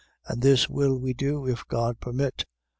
6:3. And this will we do, if God permit.